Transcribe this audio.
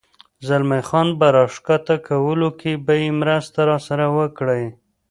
زلمی خان په را کښته کولو کې به یې مرسته راسره وکړې؟